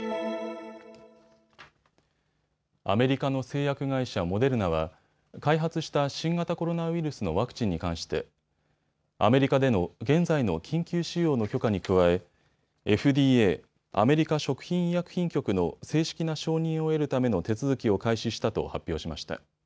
アメリカの製薬会社、モデルナは開発した新型コロナウイルスのワクチンに関してアメリカでの現在の緊急使用の許可に加えＦＤＡ・アメリカ食品医薬品局の正式な承認を得るための手続きを開始したと発表しました。